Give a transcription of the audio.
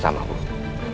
sampai jumpa lagi